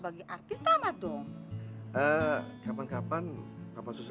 apalagi suami istri enggak baik lo jauh jauhan